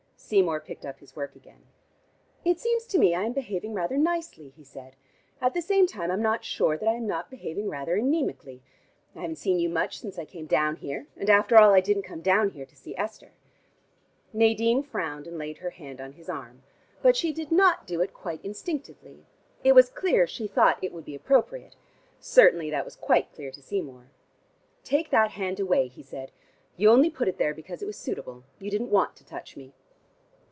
Seymour picked up his work again. "It seems to me I am behaving rather nicely," he said. "At the same time I'm not sure that I am not behaving rather anemically. I haven't seen you much since I came down here. And after all I didn't come down here to see Esther." Nadine frowned, and laid her hand on his arm. But she did not do it quite instinctively. It was clear she thought it would be appropriate. Certainly that was quite clear to Seymour. "Take that hand away," he said. "You only put it there because it was suitable. You didn't want to touch me."